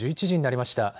１１時になりました。